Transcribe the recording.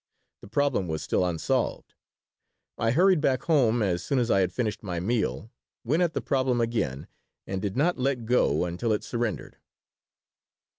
The problem was still unsolved. I hurried back home as soon as I had finished my meal, went at the problem again, and did not let go until it surrendered.